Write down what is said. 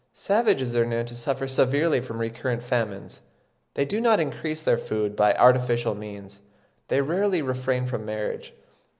Savages are known to suffer severely from recurrent famines; they do not increase their food by artificial means; they rarely refrain from marriage (16.